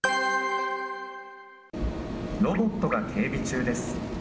ロボットが警備中です。